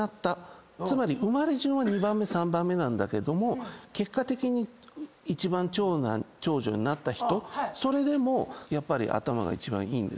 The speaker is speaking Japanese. つまり生まれ順は２番目３番目なんだけども結果的に一番長男・長女になった人それでもやっぱり頭が一番いいんですよね